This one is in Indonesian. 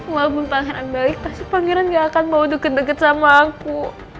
walaupun pangeran baik pasti pangeran gak akan mau deket deket sama aku